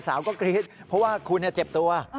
สาวก็กรี๊ดเพราะว่าคุณเจ็บตัว